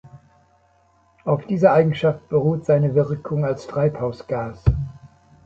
Auf dieser Eigenschaft beruht seine Wirkung als Treibhausgas.